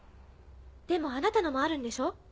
でもあなたのもあるんでしょ？